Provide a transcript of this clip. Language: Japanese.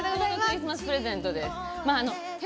クリスマスプレゼントですね。